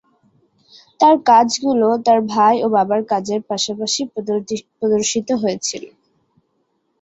তাঁর কাজগুলো তাঁর ভাই ও বাবার কাজের পাশাপাশি প্রদর্শিত হয়েছিল।